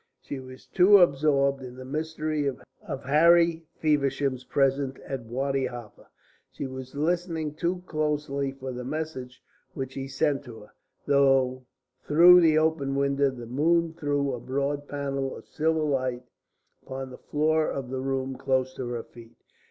She was too absorbed in the mystery of Harry Feversham's presence at Wadi Halfa. She was listening too closely for the message which he sent to her. Through the open window the moon threw a broad panel of silver light upon the floor of the room close to her feet.